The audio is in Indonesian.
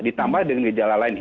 ditambah dengan gejala lainnya